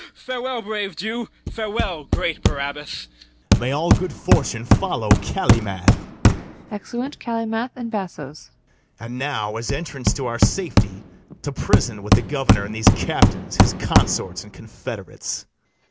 Farewell, brave Jew, farewell, great Barabas! BARABAS. May all good fortune follow Calymath! [Exeunt CALYMATH and BASSOES.] And now, as entrance to our safety, To prison with the governor and these Captains, his consorts and confederates.